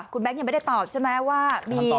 คุณแบงค์ยังไม่ได้ตอบใช่ไหมว่ามี